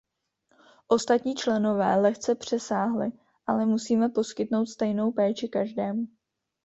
Ostatní členové lehce přesáhli, ale musíme poskytnou stejnou péči každému.